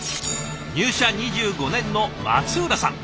入社２５年の松浦さん。